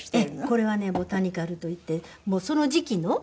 これはねボタニカルといってもうその時季の花を。